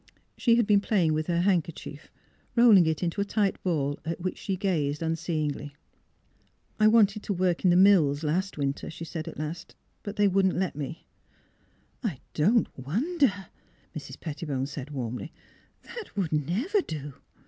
She had been playing with her handkerchief, rolling it into a tight ball at which she gazed nnseeingly. " I wanted to work in the mills last winter," she said at last; ^' but they wouldn't let me." " I don't wonder," Mrs. Pettibone said, warmly. *' That would never do!